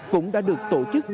cũng đã được tổ chức